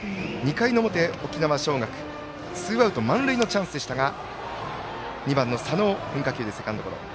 ２回の表、沖縄尚学、ツーアウト満塁のチャンスでしたが変化球でセカンドゴロ。